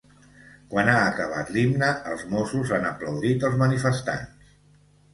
Quan ha acabat l’himne els mossos han aplaudit els manifestants.